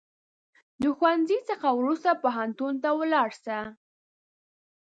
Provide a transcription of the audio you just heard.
د ښوونځي څخه وروسته پوهنتون ته ولاړ سه